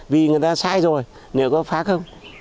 vì người ta sai rồi nếu có phá không